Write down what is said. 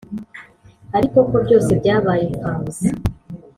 ariko ko byose byabaye imfabusa.